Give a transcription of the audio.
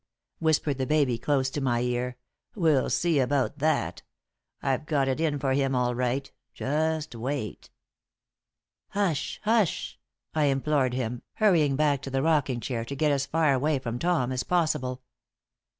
whispered the baby, close to my ear. "We'll see about that. I've got it in for him, all right. Just wait!" "Hush! hush!" I implored him, hurrying back to the rocking chair, to get as far away from Tom as possible.